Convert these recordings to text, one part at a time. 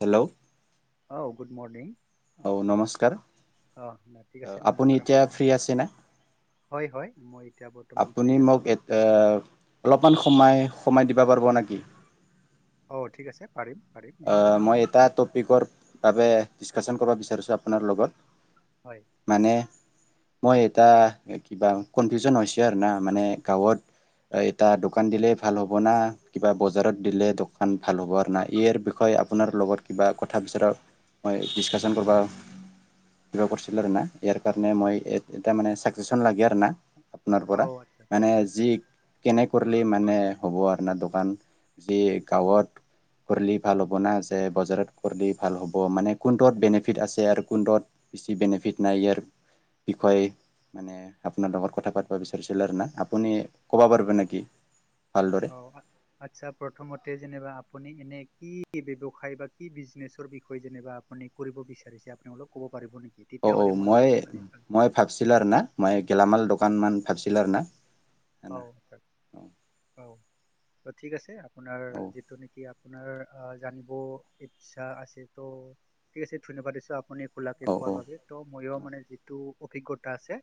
Hello, অ' good morning. অহ' নমস্কাৰ। অ' না, ঠিক আছে আপুনি নমস্কাৰ এতিয়া আপোনালৈ ফ্ৰী আছে না হয়, হয়, মই। এতিয়া বৰ্তমান ফ্ৰী আপুনি মোক আছো এতি অলপমান সমাই সমাই দিব পাৰিব নেকি? অ' ঠিক আছে। পাৰিম পাৰিম নিশ্চয় অহ' মই এটা টপিকৰ বাবে ডিচকাচন কৰিব বিচাৰিছোঁ আপোনাৰ লগত। হয় মানে মই এটা কিবা কনফিউশ্যনছ আৰু না মানে গাও‍ঁত এটা দোকান দিলে ভাল হ'ব না কিবা বজাৰত দিলে দোকান ভাল হ'ব না ইয়াৰ বি বিষয়ে আপোনাৰ লগত কিবা কথা বিচৰা মই ডিচকাচন কৰবা কিবা কৰিছিল আৰু না ইয়াৰ কাৰণে মই এটা মানে চাকেজচন লাগে আৰু না আপোনাৰ পৰা অ' আচ্ছা মানে আচ্ছা যি আচ্ছা। কেনে কৰিলে মানে হ'ব আহ ন দোকান যি গাওঁত কৰিলে ভাল হ'ব না যে বজাৰত কৰিলে ভাল হ'ব মানে কোনটোত বেনিফিট আছে আৰু কোনটোত বেছি বেনি ফিট নাই ইয়াৰ বিষয়ে মানে আপোনাৰ লগত কথা পতিব বিচাৰিছিলোঁ আৰু না আপুনি ক'ব পাৰিব নেকি? ভালদৰে অ' আচ্ছা প্ৰথমতে যেনিবা আপুনি এনে কি ব্যৱসায় কি বা ব্ৰিজনেছৰ বিষয়ে যেনিবা আপুনি কৰিব বিচাৰিছে আপুনি অলপ ক'ব পাৰিব নেকি? অ অ তেতিয়াহ'লে মই অলপ মানে ভাল- মই ভাবছিলো আৰু না মই গেলামাল দোকান মান ভাবছিলাৰ না অ অ ত ঠিক আছে আপোনাৰ যিটো নেকি আপোনাৰ আহ জানিব ইচ্ছা আছে ত' ঠিক আছে ধন্যবাদ দিছো আপুনি খোলাকে অ' কোৱাৰ অ' বাবে ত' ময়ো অ' মানে যিটো অভিজ্ঞতা আছে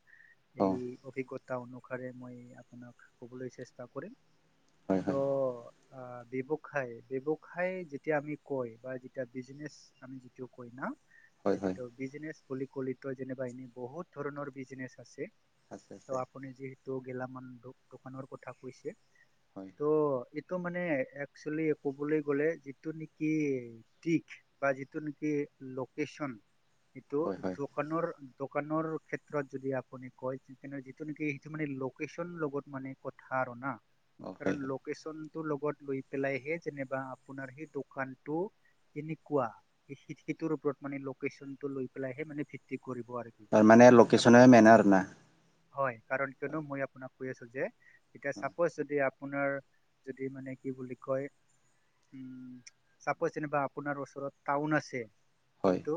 অ' এই অভিজ্ঞতা অনুসাৰে মই আপোনাক কবলৈ চেষ্টা কৰিম হয় ত' হয় ব্যৱসায় ব্যৱসায় যেতিয়া আমি কয় বা যেতিয়া বিজনেছ আমি যিটো কয় না হয় হয়। সেইটো বিজনেচ বুলি কলিতো যেনিবা এনে বহুত ধৰণৰ বিজনেচ আছে আছে ত' আছে। আপুনি যিহেতু গেলামান দোকানৰ কথা কৈছে হয় ত টো মানে একচুৱেলি ক'বলৈ গ'লে যিটো নেকি দিশ বা যিটো নেকি লোকচন এইটো হয় হয় দোকানৰ দ দ ক্ষেত্ৰত যদি আপু কয় যিটো নে [unintelligible] বহুত মানে কথা আৰু না অ কাৰণ হয় হয় লকেশন লগত লৈ পেলাইহে যেনিবা আপোনাৰ সেই দোকানটো কেনেকুৱা সেইটোৰ ওপৰত মানে লেশচন টো লৈ পেলাইহে মানে ভিত্ত ত মানে লোকেশচনে মনা আৰু না [unintelligible] হয় কাৰণ কিয়নো মই আপোনাক আছো যে এতিয়া চাপজ যদি আপোনাৰ যদি মানে কি বুলি কয় উম, চাপ চনবা আপোনাৰ ওচৰত টাউন আছে। হয় কিন্তু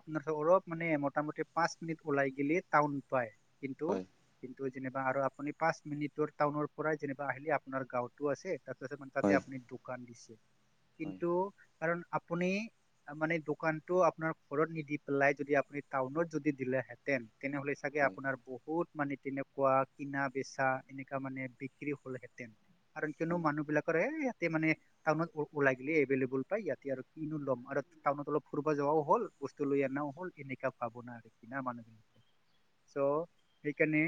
আপোনাৰ অলপ মানে মোটামুটি পাঁচ মিনিট ওলাই গিললে টাউন পায়। কিন্তু হয় - কিন্তু যেনে আৰু আপুনি পাঁচ মিনিটৰ টাউনৰ পৰাই যেনিবা আহিলে আপোনাৰ গাঁওতো আছে তাত ছে মানে তাতে হয় আপুনি দোকান দিছে হয় হয় কিন্তু কাৰণ আপুনি তাৰ মানে দোকানতটো আপোনাৰ ঘৰত নিদি পেলাই যদি আপুনি টাউনত যদি দিলেহেঁতেন তেনেহ'লে চাগে হয় আপোনাৰ বহুত মানে তেনে পোৱা কিনা বেচা এনেকা মানে বিক্ৰী হলহেঁতেন কাৰন কিয়নো মানুহ বিলাকৰ এ ইয়াতে মানে টাউনত ওলাইাগিলে এভেইলেবল পাই ইয়াতে আৰু কিনো ল'ম আৰু টাউনত অলপ ফুৰিব যাবাও হ'ল। বস্তু লৈ অনা হ'ল এনেকাা পাব ন আৰু কিনা মানুহ বিলাকৰ চ' সেইকাৰণে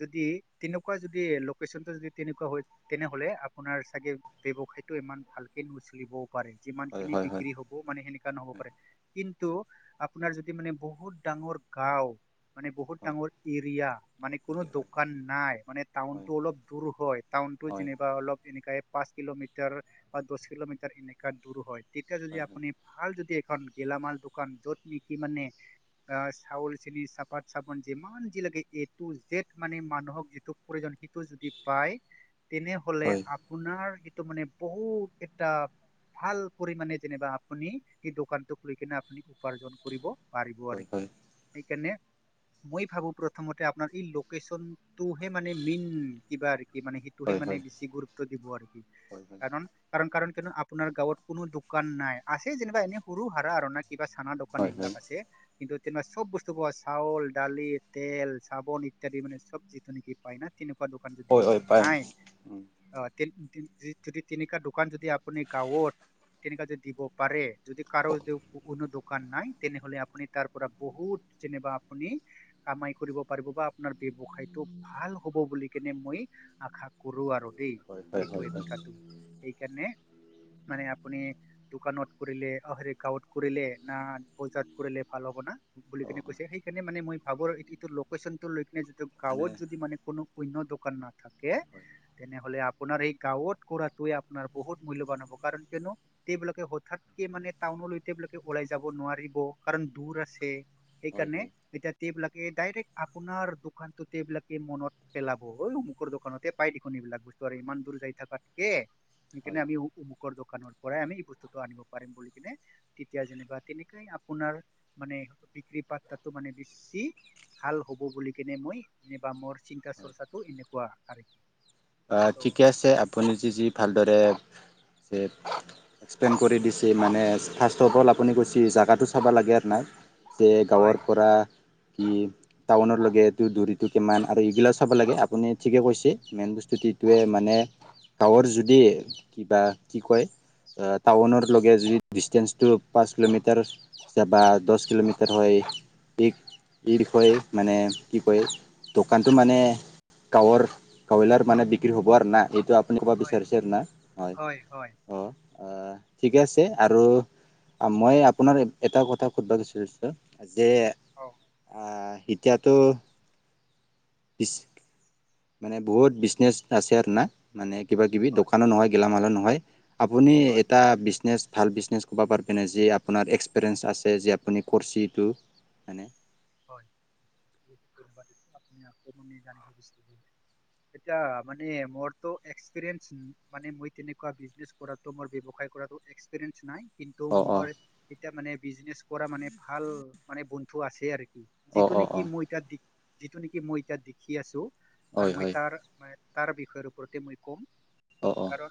যদি তেনেকুৱা যদি লোকেশ্যনটো যদি তেনেকুৱা তেনেহলে আপোনাৰ ছাগে ৱসটো ইমান ভালকে নচলিবও পাৰে যিমান হয় খিনি হয় বিক্ৰী হয় হ'ব মানে সেনেকুৱা নহব পাৰে কিন্ত তটো আপোনাৰ যদি মানে বহুত ডাঙৰ গাওঁ মানে বহুত হয় ডাঙৰ এৰিয়া মানে কোনো হেৰি হয় দোকান নাই মানে টাউন হয় টো অলপ দূৰ হয় টাউন টো হয় হয় যেনিবা অলপ এনে প্ৰায় পাঁচ কিলোমিটাৰ বা দছ কিলোমিটাৰ এনেকা দূৰ হয় এতিয়া যদি হয় হয় আপুনি ভাল যদি এখন গেলামাল দোকান য'ত নিকি মানে অ চাউল চেনি চাপাত চাবোন যিমান যি লাগে এইটো যেত মানে মানুহক যিটো প্ৰয়োজন সেইটো যদি পায় তেনেহলে হয় হয় আপোনাৰ ত মানে বহুত এটা ভাল পৰিমাণে যেনিবা আপুনি সে দোকানতো খুলি কিনে আপুনি উপাৰ্জন কৰিব পাৰিব আৰু হয় কি হয় হয় সেইকাৰণে মই ভাবো প্ৰথমতে আপোনাৰ এই লোক লোকেচনটোহে মেই কিবা কি মানে সেইটোহে হয় মানে বেছি গুৰুত্ব দিব আৰু কি কাৰণ কাৰণ কাৰণ কিন্তু আপোনাৰ গাঁৱত কোনো দোকান নাই আছে যেনিবা এনেই সৰু হাৰা আৰু ন কিবা চানা দোকান হয় হয় এইবিলাক আছে কিন্তু তেনবা চব বস্তু পা চাউল ডালি তেল চাবোন ইত্যাদি মানে চব্জিটো নেকি পায় ন তেনে দোকান যদি হয় পায় নাই উম অ তেনে যদি তিনিকা দোকান যদি আপুনি গাঁৱত তেনেকা যদি দিব পাৰে যদি কাৰো যদি কোনো দোকান নাই তেনেহলে আপুনি তাৰ পৰা বহুত যেনিবা আপুনি কমাই কৰিব পাৰিব বা। আপোনাৰ ব্যৱসায়টো ভাল হ'ব বুলি কেনে মই আশা কৰো আৰু দেই হয় হয় হয় এইটো হয় কথা। এইকাৰণে। মানে আপুনি দোকানত কৰিলে হে গাঁৱত কৰিলে না বজাৰত কৰিলে ভাল হ'ব। অ বুলিনে হয় কৈছে সেইণে মে মই ভবো আৰু লোকেশ্যন লৈ কেনে মানে গাঁৱত যদি মানে কোনো অন্য দোকান নাথাকে হয় তেনেহ'লে আপোনাৰ এই গাঁও ত কৰাটোৱে আপোনাৰ বহুত মূল্যবান হ'ব কাৰণ কিয়নো তেওঁবিলাকে হঠাাতকে মানে টাউনলৈবিলাকে। ওলাই যাব নোৱাৰিব কাৰণ দৰ আছে হয় সেইকাৰণে হয় এয়াবাকে আপোনাৰ দোকান টো এইবিলাকে মনত পেলাব অঐ অমুকৰ দোকানতে পাই দেখোন এইবিলাক বস্তু আৰু ইমান দূৰ যায়। থাকাকে সেইকাৰণে হয় আমি উ দোকানৰ পৰাই আমি এই বস্তুতটো আনিব পাৰিম বুলি কিনে তেতিয়া যেনা তেনেকাই আপোনাৰ মানে। বিক্ৰী পাতো মানে বেছি ভাল। হ'ব বুলি কেনে মইবা মোৰ চিন্তা হয় চৰ্চাটো এনেকুৱা আৰু। চ' ঠিকে আছে আপুনি যি-যি ভালদৰে এক্সপ্লেইন কৰি দিছে মানে ফাৰ্ষ্ট অফ অল আপুনি কৈছে জেগাটো চাব লাগে আৰু নাই। যে হয় গাঁৱৰ হয় পৰা। কি টাউন লগেটো দৰিতটো কিমান আৰু এইগিলা চাব লাগে আপুনি ঠিকে কৈছে মেইন বস। যটোৱে মানে টাৱৰ যদি কিবা কি কয়। টাউনৰ লগে যদি ডিচষ্টেঞ্চটো পাঁচ কিলোমিটাৰ বা দহ কিলোমিটাৰ হয়। এই এই বিষয়ে মানে কি কয় দোকানটো মানে। গাঁৱৰ গাওবিলাৰ মানে বিক্ৰী হ'ব আৰু না এইটো আপুনি ক'ব হয় বিচাৰিছে না হয় অঁ', ঠিকে আছে আৰু মই আপোনাৰ এটা কথা সুধব বিচাৰিছোঁ। যে অ আ, এতিয়াতো বিছ মানে বহুত বিছ বিনেছ আছে আৰু না মানে কিবা-কিবি হয় দোকানৰ নহয় গেলামালৰ নহয়। আপুনি হয় এটা বিজনেছ। ভাল বিজনেছ ক'ব পাৰিবনে যি আপোনাৰ এক্সপেৰিয়েঞ্চ আছে যে আপুনি কৰিছেিটো মানে। হয় ধন্যবাদ দিচো আপুনি আ জানিব বিচাৰে এয়া মানে মোৰ এক্সপিৰিয়েঞ্চ মানে মই তেনেকুৱা বিজনে কৰাতো ম বেব্যখাই কৰাটো এক্সপিৰিয়েন্স নাই। কিন্তু অ অ মই এতিয়া মানে বিজনেচ কৰা মানে ভাল মানে বন্ধু আছে আৰু। অ যিটো অ নেকি অ মই এটা যিটো নেকি মই এটা দেখি আছো আৰু হয় মই হয় তাৰ তাৰ বিষয়ৰ ওপতে মই ক'ম। অ-অ', কাৰণ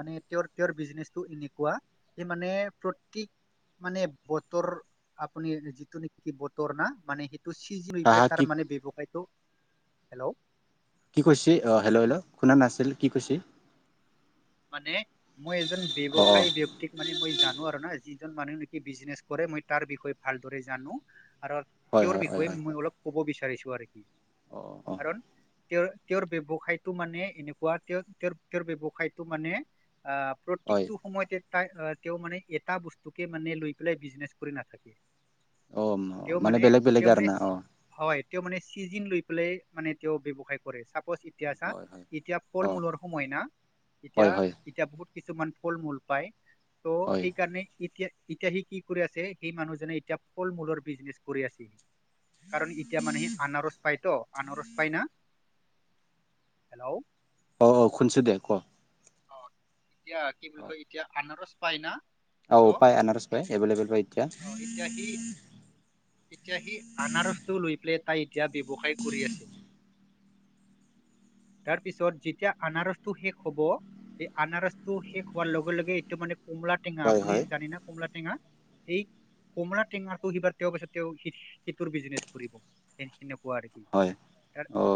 মানে তেওঁৰ তেওঁৰ বিজনেচটো এনেকুৱা স মানে প্ৰতক। মানে বতৰ আপুনি যিটো নেকি বতৰ। ৰ না মানে সেইটো হা চজমফ হা তাৰ কি মানে ব্যৱসায়টো হেল্ল' কি কৈছে অ' আপুনি হেল্ল'-হেল্ল' শুনা নাছিল কি কৈচিল। মানে মই এজন অ অ ব্যৱসায়ী ব্যয়ক্তিক মানে মই জানো আৰু ন যিজন মানুহ নেকি বিজনেছ কৰে মই তাৰ বিষয়ে ভালদৰে জানো। আৰু হয় তেওঁৰ হয় হয় বিষয়ে হয় মই অলপ ক'ব বিচাৰিছো আৰু কি অ অ কাৰণ। তেওঁৰ তেওঁৰ ব্যৱসায়টো মানে এনেকুৱা তেওঁ তেওঁৰ তেওঁৰ ব্যৱসায়টো মানে অ' হয় প্ৰত্যেকটো সময়তে এ তেওঁ মানে এটা বস্তুকে মানে লৈ পেলাই বিজনেচ কৰি নাথাকে। অ' তেওঁ মানে তেওঁ বলেগ-বেলেগ মানে আৰু না চি- অ', হয় তেওঁ মানে চিজিন লৈ পেলাই মানে তেওঁ ব্যৱসায় কৰে চাপজ। এতিয়াছা এতিয়া ফল মূলৰ সময় না এতিয়া এতিয়া ব কিছুমান ফল মূল পায় ত সেইকাৰনে এতিয়া। এতিয়া সি কি কৰি আছে সেই মানুহজনে এতিয়া ফল মূলৰ বিজনেচ কৰি আচি। কাৰণ এতিয়া মানুহে আনাৰস পায় ত আনাৰস পাই না হেল্ল' অঁ অ খোনছো দে ক অ এতিয়া কি বুলি কয় এতিয়া আনাৰস পায় না চ' অহ পাই আনাৰস পাই এবলেবল পায় এতিয়া অ এতিয়া সি এতিয়া সি আনাৰসটো লৈ পেলাই তাই এতিয়া ব্যৱসায় কৰি আছিল তাৰপিছত যেতিয়া আনাৰসটো শেষ হ'ব এই আনাৰসটো শেষ হোৱাৰ লগে লগে এইটো মানে কমলা টেঙা আপুনি জানি না কমলা টেঙা? এই কমলা টেঙাৰটো তেওঁ কৈছে তেওঁ সিটোৰ বিজনেচ কৰিব। [unintelligible]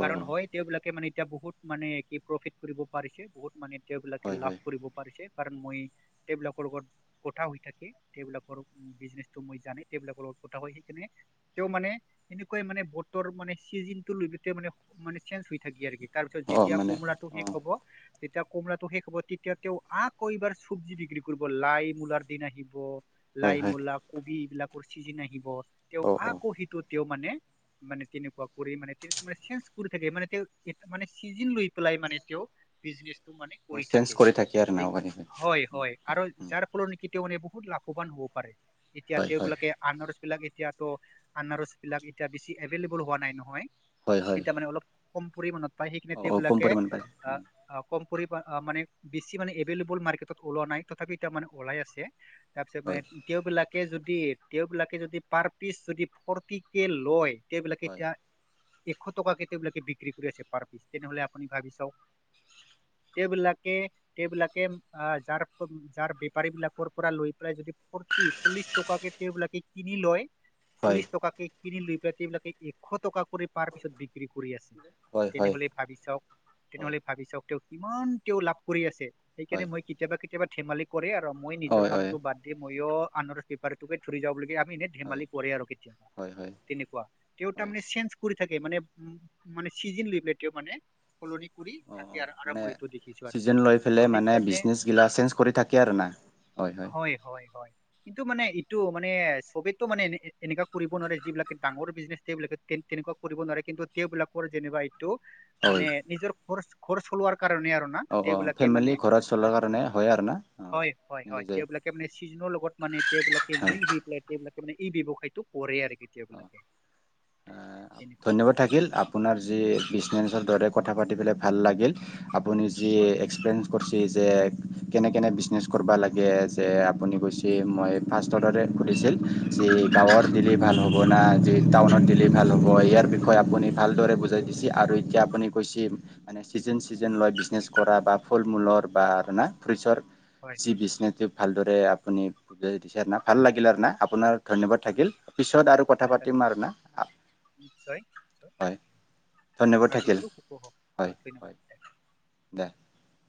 কাৰণ হয় তেওঁবিলাকে মানে এতিয়া বহুত মানে কি প্ৰফিট কৰিব পাৰিছে, বহুত মানে এ তেওঁবিলাকে লাভ কৰিব পাৰিছে। কাৰণ মই তেওঁবিলাকৰ লগত কথা হৈ থাকে, এইবিলাকৰ বিজনেচটো মই জানে, সেইবিলাকৰ লগত হয় সেইকাৰণে তেওঁ মানে এনেকুৱাই মানে বতৰ মানে চিজনটো লৈ তেওঁ মানে মানে হৈ থাকে আৰু কি তাৰপিছত যেতিয়া কমলাটো শেষ হব কমলাটো শেষ হ'ব তেতিয়া তেওঁ আকৌ এইবাৰ চব্জি বিক্ৰী কৰিব লাই মূলাৰ দিন আহিব। লাই মূলা কবি এইবিলাকৰ চিজিন আহিব, তেওঁ আকৌ সেইটো তেওঁ মানে মানে তেনেকুৱা কৰি মানে মে চেনজ কৰি থাকে মানে তেওঁ মানে চিজন লৈ পেলাই মানে তেওঁ বিজনেটো মানে কৰি থাকে, হয় হয় আৰু যাৰ ফলত নেকি তেওঁ বহুত লাভৱান হ'ব পাৰে, এতিয়া তেওঁবলাকে আৰ্নাৰছ বিলাক এতিয়াতো আনাৰসবিলাক এতিয়া বেছি এভেইলেবল হোৱা নাই নহয়, এতিয়া মানে অলপ কম পৰিমানত পায় সেইখিনি তেওঁবিলাকে আহ কম পৰি মানে বেছি মানে এভেলেবল মাৰ্কেটত ওলোৱা নাই তথাপি এতিয়া মানে ওলাই আছে। তাৰপিছত মানে তেওঁবলাকে যদি তেওঁবলাকে যদি পাৰ পিচ যদি ফৰটি কে লয় তেওঁবিলাকে এতিয়া এশ টকাকে তেওঁবিলাকে বিক্ৰী কৰি আছে পাৰ পিচ তেনেহলে আপুনি ভাবি চাওক তেওঁবলাকে তেওঁবলাকে আহ যাৰ যাৰ বেপাৰী বিলাকৰ পৰা লৈ পেলাই যদি ফৰ্তি চল্লিশ টকা কে তেওঁবলাকে কিনি লয় চল্লিশ টকাকে কিনি লৈ পেলাই বিলাকে এশ টকাকে কৰি পাৰ পিছত বি বিক্ৰী কৰি আছে, তেনেহলে ভাবি চাওক তেনেহলে ভাবি চাওক তেওঁ কিমান তেওঁ লাভ কৰি আছে সেইকাৰণে মই কেতিয়াবা কেতিয়াবা ধেমালি আৰু মই নিজৰ কামটো বাদ দি মইো আনৰ পেপাৰোকে ধৰি যাব ধমালি কৰে আৰু কেতিয়া তেনেুৱ ত [inaudible] থাকে মান উম মানে চিজ লবেলও মানে সলনি কৰি অ থাকে। অ' আৰু আৰু মানে মই এইটো দেখিছো আৰু চিজন লৈ পেলাই ত' মানে সেইকাৰণে বিজনেচগিলা চেঞ্জ কৰি থাকে আৰু না। হয় হয় হয় কিন্তু মানে টো মানে চবেতো মানে এনেকুৱা কৰিব নোৱাৰে যিবিলাকে ডাঙৰ বিজনেছ সবিলাকে তেনেকুৱা কৰিব নোৱাৰে। কিন্তু তেওঁবলাকৰ যেনিবা এইটো হয় মানে নিজৰ ঘৰ ঘৰ চলোৱাৰ কাৰণে আৰু না অ অ সবিলাকে ফেমিলি মানে [inaudible] ঘৰত চলাৰ কাৰণে হয় আৰু না অ হয় হয় মিলি হয়, যায় তেওঁবিলাকে মানে চিজনৰ লগত মানে তেওঁবিলাকে হয় মিল শুই পেলাই তেওঁবিলাক মানে এই ব্যৱসায়তটো কৰে আৰু। কি অ' তেওঁবিলাকে তেনেকুৱা ধন্যবাদ থাকিল আপোনাৰ যি বিজনেছ দৰে হয় [unintelligible] যে কেনে-কেনে বিজনেচ কৰিবা লাগে যে আপুনি কৈছে মই ফাৰ্ষ ছিল, যি গাঁৱৰ দিলে ভাল হ'ব না, আজি টাউনত দিলে ভাল হ'ব ইয়াৰ বিষয়ে আপুনি ভালদৰে বুজাই দিছে আৰু এতিয়া আপুনি ছিল, মানে ছিজন ছিজন লৈ বিজনেছ কৰা বা ফল মূলৰ বা আৰু না ফ্ৰুইটচৰ হয় যি বিজনেছটো ভালদৰে আপুনি বুজাই দিছে না, ভাল লাগিলে আৰু না-আপোনাৰ ধন্যবাদ হয় থাকিল, পিছত আৰু কথা আচ্ছা পাতিম আৰু না, নিশ্চয় নিশ্চয় হয়। ধন্যবাদ আপোনাৰ থাকিল দিনটো শুভ হওঁক, হয় হয় অ', দে [inaudible]